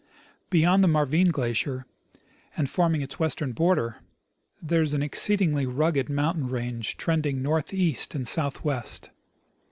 Beyond the Marvine glacier, and forming its western border, there is an exceedingly rugged mountain range trending northeast and southwest.